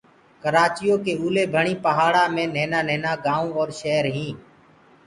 ڪرآچيو ڪي اوليڀڻيٚ پهآڙآنٚ مي نهينآ نهينآ گآئونٚ ائينٚ شير هينٚ